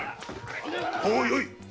もうよい！